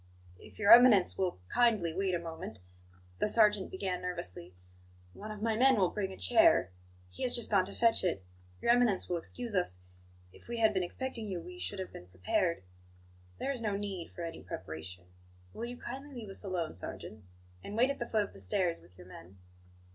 "If Your Eminence will kindly wait a moment," the sergeant began nervously, "one of my men will bring a chair. He has just gone to fetch it. Your Eminence will excuse us if we had been expecting you, we should have been prepared." "There is no need for any preparation. Will you kindly leave us alone, sergeant; and wait at the foot of the stairs with your men?"